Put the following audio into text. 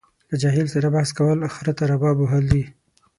له جاهل سره بحث کول خره ته رباب وهل دي.